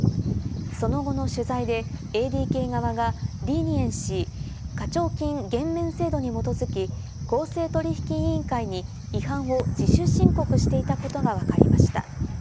その後の取材でＡＤＫ側がリーニエンシー＝課徴金減免制度に基づき、公正取引委員会に違反を自主申告していたことがわかりました。